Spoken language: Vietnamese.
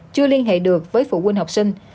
chưa liên hệ được với phụ huynh học sinh